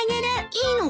いいのか？